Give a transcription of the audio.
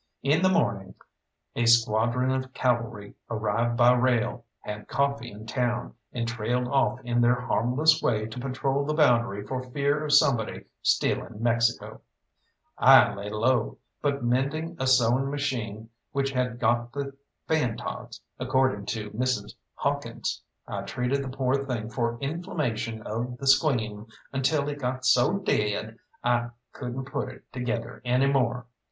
In the morning a squadron of cavalry arrived by rail, had coffee in town, and trailed off in their harmless way to patrol the boundary for fear of somebody stealing Mexico. I lay low, but mended a sewing machine which had got the fan tods, according to Mrs. Hawkins. I treated the poor thing for inflammation of the squeam until it got so dead I couldn't put it together any more.